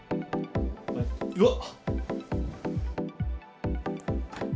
うわっ！